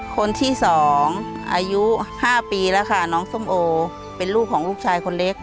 คนที่๒อายุ๕ปีแล้วค่ะน้องส้มโอเป็นลูกของลูกชายคนเล็ก